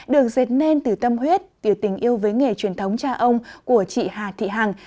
được dệt nên từ tâm huyết từ tình yêu với nghề truyền thống cha ông của chị hà thị hằng